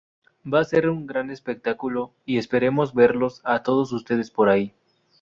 Va a ser un gran espectáculo y esperamos verlos a todos ustedes por ahí.